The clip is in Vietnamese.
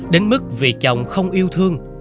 đến mức vì chồng không yêu thương